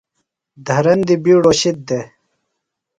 دھرندیۡ بِیڈوۡ شِد دےۡ۔